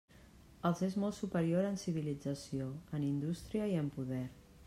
Els és molt superior en civilització, en indústria i en poder.